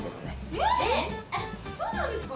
えっ⁉そうなんですか？